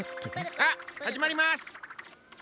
あっはじまります。